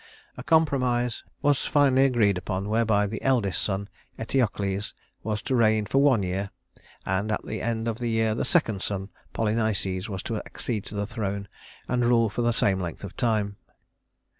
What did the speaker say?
A compromise was finally agreed upon whereby the eldest son, Eteocles, was to reign for one year, and at the end of the year the second son, Polynices, was to accede to the throne and rule for the same length of time.